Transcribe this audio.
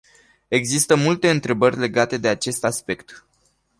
Există multe întrebări legate de acest aspect.